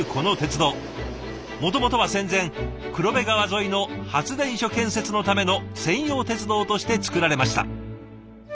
もともとは戦前黒部川沿いの発電所建設のための専用鉄道として造られました。